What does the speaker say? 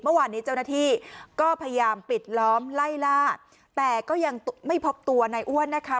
เมื่อวานนี้เจ้าหน้าที่ก็พยายามปิดล้อมไล่ล่าแต่ก็ยังไม่พบตัวในอ้วนนะคะ